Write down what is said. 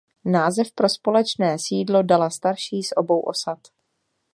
Název pro společné sídlo dala starší z obou osad.